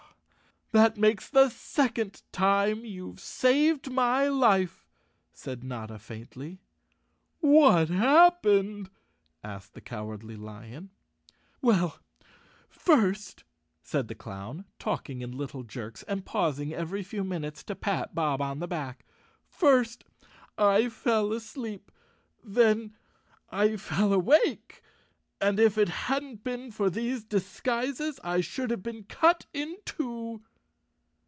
" That makes the second time you've saved my life," said Notta faintly. "What happened?" asked the Cowardly Lion. "Well, first," said the clown, talking in little jerks and pausing every few minutes to pat Bob on the back, " first, I fell asleep, then, I fell awake. And if it hadn't been for these disguises I should have been cut in two."